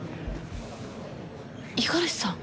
五十嵐さん。